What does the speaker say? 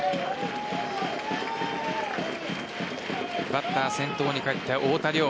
バッター、先頭に返って太田椋。